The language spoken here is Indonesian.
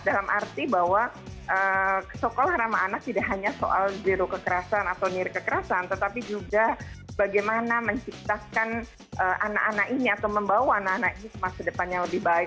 dalam arti bahwa sekolah ramah anak tidak hanya soal zero kekerasan atau nir kekerasan tetapi juga bagaimana menciptakan anak anak ini atau membawa anak anak ini ke masa depan yang lebih baik